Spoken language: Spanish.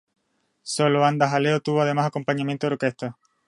Solo "Anda jaleo" tuvo además acompañamiento de orquesta.